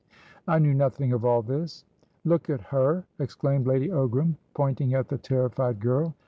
"I knew nothing of all this." "Look at her!" exclaimed Lady Ogram, pointing at the terrified girl.